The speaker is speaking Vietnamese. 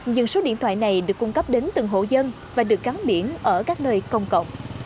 nhưng số điện thoại này được cung cấp đến từng hộ dân và được gắn biển ở các nơi công cộng